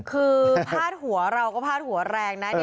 คือพาดหัวเราก็พาดหัวแรงนะ